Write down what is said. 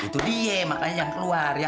itu dia makanya yang keluar ya